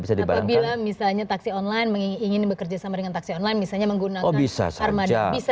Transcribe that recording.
apabila misalnya taksi online ingin bekerja sama dengan taksi online misalnya menggunakan armada bisa